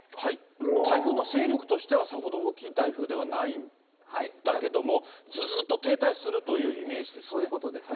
台風の勢力としてはさほど大きい台風ではないんだけども、ずっと停滞するというイメージですね。